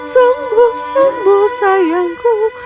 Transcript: sembuh sembuh sayangku